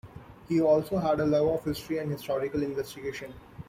He also had a love of history and historical investigation.